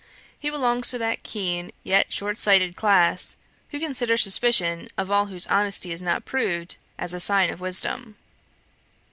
He belongs to that keen, yet short sighted class, who consider suspicion of all whose honesty is not proved as a sign of wisdom.